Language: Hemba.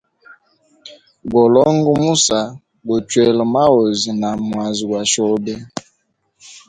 Golonga musa, gochwela maozi na mwazi gwa shobe.